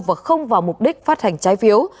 và không vào mục đích phát hành trái phiếu